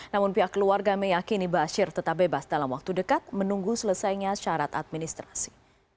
namun pihak keluarga meyakini bashir tetap bebas dalam waktu dekat menunggu selesainya syarat administrasi